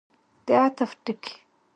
د عطف ټکی.